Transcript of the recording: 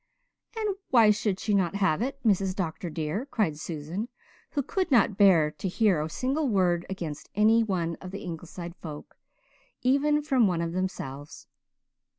"And why should she not have it, Mrs. Dr. dear?" cried Susan, who could not bear to hear a single word against anyone of the Ingleside folk, even from one of themselves.